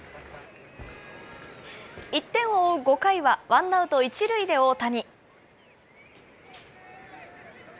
１点を追う５回は、ワンアウト１塁で大谷。